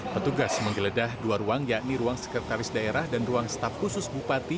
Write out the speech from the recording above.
petugas menggeledah dua ruang yakni ruang sekretaris daerah dan ruang staf khusus bupati